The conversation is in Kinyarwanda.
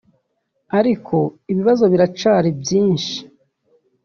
Ariko ibibazo biracari vyinshi